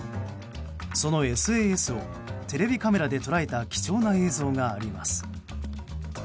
そのＳＡＳをテレビカメラで捉えた貴重な映像があります。